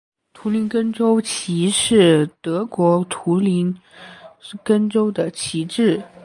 图林根州旗是德国图林根州的旗帜。